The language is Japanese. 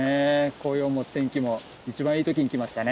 紅葉も天気も一番いい時に来ましたね。